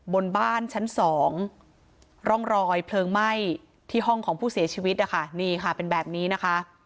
บนบ้านชั้นสองร่องรอยเพลิงไหม้ที่ห้องของผู้เสียชีวิตนะคะนี่ค่ะเป็นแบบนี้นะคะ